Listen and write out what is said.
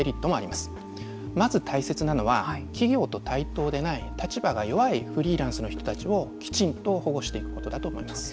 まず大切なのは企業と対等でない立場が弱いフリーランスの人たちをきちんと保護していくことだと思います。